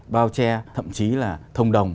bao che thậm chí là thông đồng